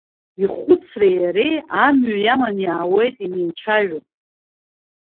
Ихәыцреи иареи амҩа иаман иаауеит инеицәажәо.